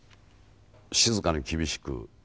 静かに厳しく。